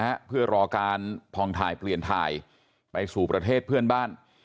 ตัวอยู่บ่อยนะฮะเพื่อรอการพองทายเปลี่ยนถ่ายไปสู่ประเทศเพื่อนบ้าน